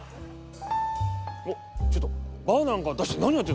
おっちょっとバーナーなんか出して何やってんだ。